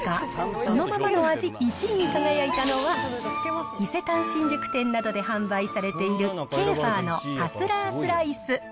そのままの味１位に輝いたのは、伊勢丹新宿店などで販売されている、ケーファーのカスラースライス。